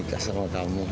aku tuh cinta sama kamu